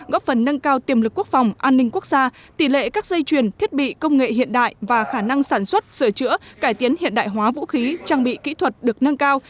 góp phần nâng cao tiềm lực quốc phòng an ninh quốc gia tỷ lệ các dây chuyền thiết bị công nghệ hiện đại và khả năng sản xuất sửa chữa cải tiến hiện đại hóa vũ khí trang bị kỹ thuật được nâng cao